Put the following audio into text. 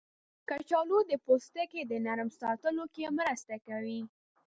کچالو د پوستکي د نرم ساتلو کې مرسته کوي.